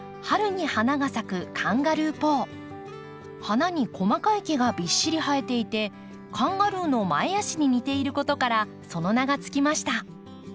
花に細かい毛がびっしり生えていてカンガルーの前足に似ていることからその名が付きました。